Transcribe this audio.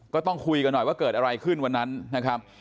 ก็ต้องคุยกันหน่อยว่าเกิดอะไรขึ้นวันนั้นนะครับ